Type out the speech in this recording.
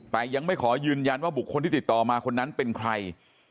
แต่ยังไม่ขอยืนยันว่าบุคคลที่ติดต่อมาคนนั้นเป็นใคร